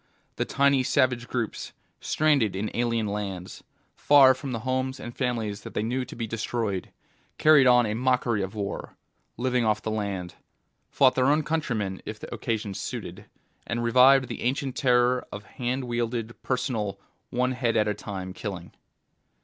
The tiny savage groups, stranded in alien lands, far from the homes and families that they knew to be destroyed, carried on a mockery of war, lived off the land, fought their own countrymen if the occasion suited, and revived the ancient terror of hand wielded, personal, one head at a time killing.